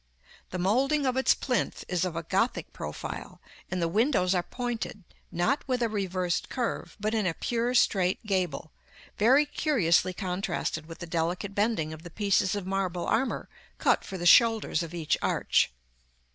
The moulding of its plinth is of a Gothic profile, and the windows are pointed, not with a reversed curve, but in a pure straight gable, very curiously contrasted with the delicate bending of the pieces of marble armor cut for the shoulders of each arch.